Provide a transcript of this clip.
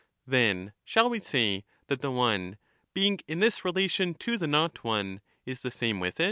table of Then shall we say that the one, being in this relation to the one is the not one, is the same with it